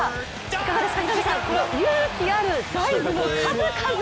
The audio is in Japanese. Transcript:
いかがですか、平野さん、この勇気あるダイブの数々。